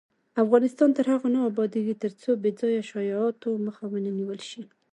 افغانستان تر هغو نه ابادیږي، ترڅو بې ځایه شایعاتو مخه ونیول نشي.